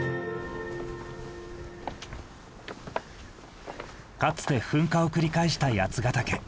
かつて噴火を繰り返した八ヶ岳。